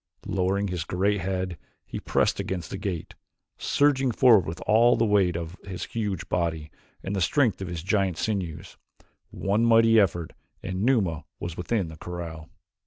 Lowering his great head he pressed against the gate, surging forward with all the weight of his huge body and the strength of his giant sinews one mighty effort and Numa was within the corral.